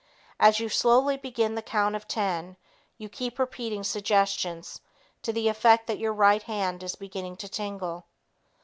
As you slowly begin the count of ten, you keep repeating suggestions to the effect that your right hand is beginning to tingle.